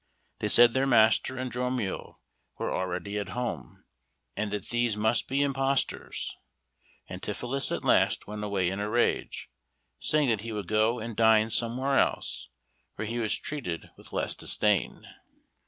They said their master and Dromio were already at home, and that these must be impostors. Antipholus at last went away in a rage, saying that he would go and dine somewhere else, where he was treated with less disdain.